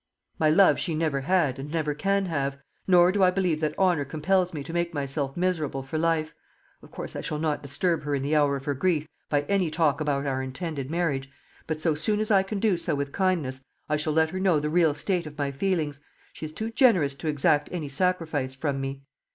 "My love she never had, and never can have; nor do I believe that honour compels me to make myself miserable for life. Of course I shall not disturb her in the hour of her grief by any talk about our intended marriage; but, so soon as I can do so with kindness, I shall let her know the real state of my feelings. She is too generous to exact any sacrifice from me."